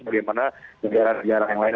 bagaimana negara negara yang lain